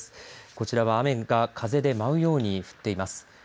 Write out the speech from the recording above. こちらは雨が風で舞うように降っています。